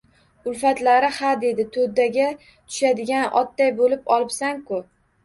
Ulfatlari, ha, dedi, to‘daga tushadigan otday bo‘lib olibsan-ku